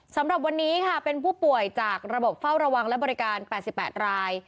สำหรับวันนี้ค่ะเป็นผู้ป่วยจากระบบเฝ้าระวังและบริการ๘๘ราย